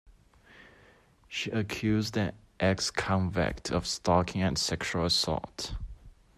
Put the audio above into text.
She accused an ex-convict of stalking and sexual assault.